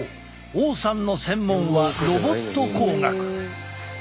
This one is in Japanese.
王さんの専門はロボット工学。